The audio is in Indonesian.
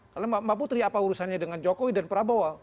kalau mbak putri apa urusannya dengan jokowi dan prabowo